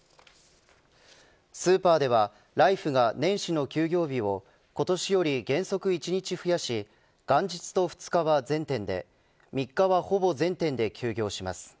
スーパーではライフが年始の休業日を今年より原則１日増やし元日と２日は全店で３日は、ほぼ全店で休業します。